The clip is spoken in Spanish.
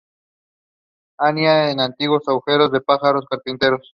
Anida en antiguos agujeros de pájaros carpinteros.